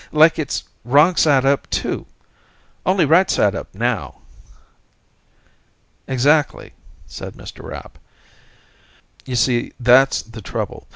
Like, it's wrong side up, too. Only, right side up, now." "Exactly," said Mr. Rapp. "You see, that's the trouble.